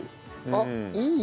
あっいい！